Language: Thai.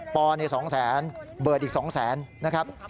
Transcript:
ป๒๐๐๐๐๐บาทอีก๒๐๐๐๐๐บาท